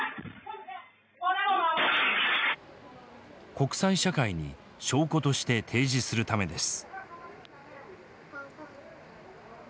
国際社会に証拠として提示するためです。